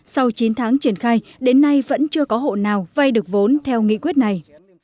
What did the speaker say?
sau chín tháng triển khai đến nay vẫn chưa có hộ nào vay được vốn theo nghị quyết này